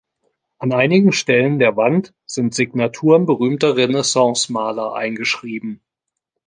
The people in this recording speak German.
An einigen Stellen der Wand sind Signaturen berühmter Renaissance-Maler eingeschrieben.